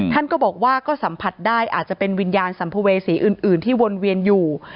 ท่านก็บอกว่าก็สัมผัสได้อาจจะเป็นวิญญาณสัมภเวษีอื่นที่วนเวียนอยู่